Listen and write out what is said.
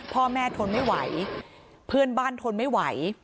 พ่อแม่ทนไม่ไหวเพื่อนบ้านทนไม่ไหว